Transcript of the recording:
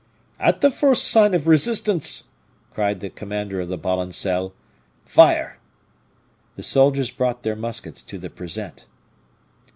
"At the first sign of resistance," cried the commander of the balancelle, "fire!" The soldiers brought their muskets to the present.